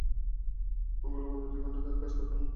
ফোনগুলো গত দুই ঘণ্টা ধরে কাজ করছে না।